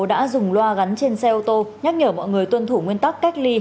đã dùng loa gắn trên xe ô tô nhắc nhở mọi người tuân thủ nguyên tắc cách ly